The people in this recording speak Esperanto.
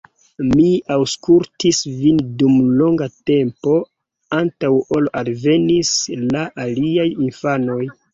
Mi aŭskultis vin dum longa tempo antaŭ ol alvenis la aliaj infanoj.